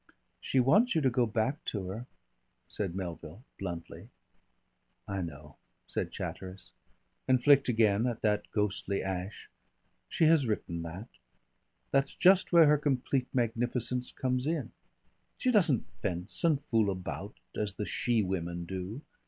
"She wants you to go back to her," said Melville bluntly. "I know," said Chatteris and flicked again at that ghostly ash. "She has written that.... That's just where her complete magnificence comes in. She doesn't fence and fool about, as the she women do.